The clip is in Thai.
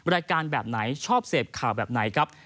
แบบไหนชอบเสพข่าวแบบไหนครับ